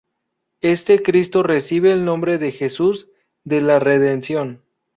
Este cristo recibe el nombre de Jesús de la Redención.